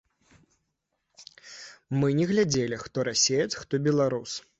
Мы не глядзелі, хто расеец, хто беларус.